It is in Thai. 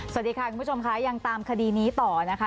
สวัสดีค่ะคุณผู้ชมค่ะยังตามคดีนี้ต่อนะคะ